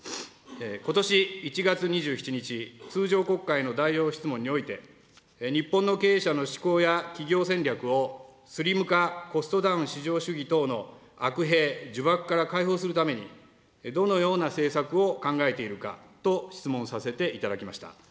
ことし１月２７日、通常国会の代表質問において、日本の経営者の施行や企業戦略をスリム化・コストダウン至上主義等の悪弊、呪縛から解放するためにどのような政策を考えているかと質問させていただきました。